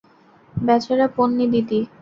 বেচারা পোন্নি দিদি।